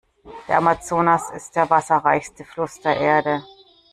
Der Amazonas ist der wasserreichste Fluss der Erde.